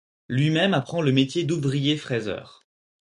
Lui-même apprend le métier d'ouvrier fraiseur.